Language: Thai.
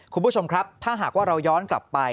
คุณผู้ชมครับถ้าหากว่าเราย้อนกลับไป